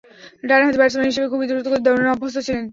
ডানহাতি ব্যাটসম্যান হিসেবে খুবই দ্রুতগতিতে দৌড়ানোয় অভ্যস্ত ছিলেন।